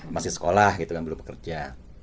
masih sekolah gitu kan belum bekerja